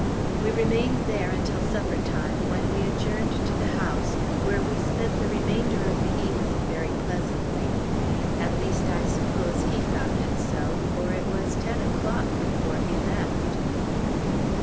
We remained there until supper time, when we adjourned to the house, where we spent the remainder of the evening very pleasantly. At least I suppose he found it so, for it was ten o'clock before he left.